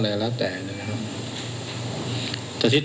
แต่เจ้าตัวก็ไม่ได้รับในส่วนนั้นหรอกนะครับ